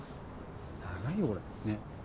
長いよこれね。